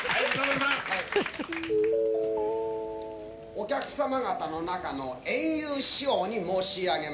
お客様方の中の圓遊師匠に申し上げます。